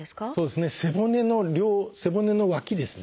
背骨の背骨の脇ですね。